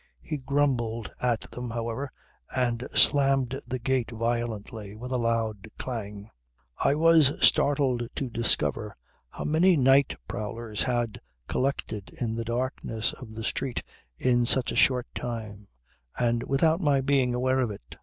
He grumbled at them however and slammed the gate violently with a loud clang. I was startled to discover how many night prowlers had collected in the darkness of the street in such a short time and without my being aware of it.